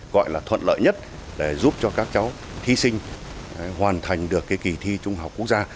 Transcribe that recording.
gọi là thuận lợi nhất để giúp cho các cháu thí sinh hoàn thành được cái kỳ thi trung học quốc gia